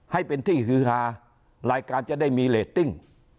ให้เป็นที่ฮือฮารายการจะได้มีเรตติ้ง